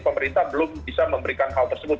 pemerintah belum bisa memberikan hal tersebut